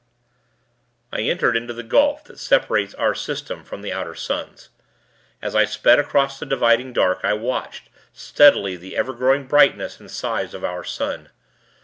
I entered into the gulf that separates our system from the outer suns. As I sped across the dividing dark, I watched, steadily, the ever growing brightness and size of our sun.